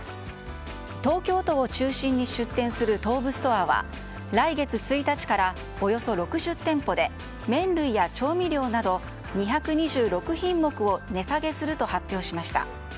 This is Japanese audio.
東京都と中心に出店する東武ストアは来月１日からおよそ６０店舗で麺類や調味料など２２６品目を値下げすると発表しました。